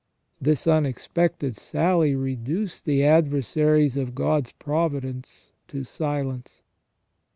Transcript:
This unexpected sally reduced the adver saries of God's providence to silence.